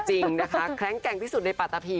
จริงนะคะแข็งแกร่งที่สุดในปัตตาพี